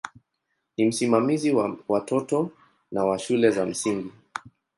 Ni msimamizi wa watoto na wa shule za msingi.